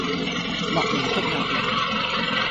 莫名的壓力